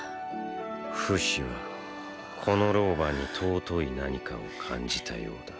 フシはこの老婆に尊い何かを感じたようだ